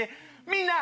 みんな！